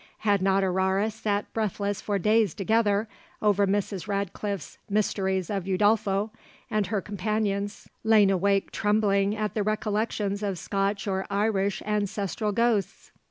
Had not Aurore sat breathless for days together over Mrs. Radcliffe's Mysteries of Udolpho, and her companions lain awake trembling at the recollections of Scotch or Irish ancestral ghosts?